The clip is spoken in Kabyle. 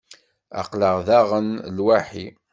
Aql-aɣ daɣen lwaḥi.